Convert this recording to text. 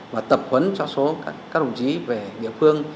và tập huấn cho các đồng chí về địa phương